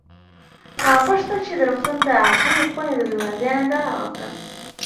ما غوښتل چې د روغتون د عاجلې خونې د دروازې ننداره وکړم.